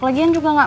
lagian juga gak